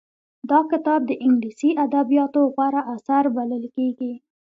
دا کتاب د انګلیسي ادبیاتو غوره اثر بلل کېږي